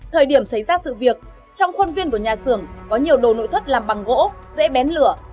thời điểm xảy ra sự việc trong khuôn viên của nhà xưởng có nhiều đồ nội thất làm bằng gỗ dễ bén lửa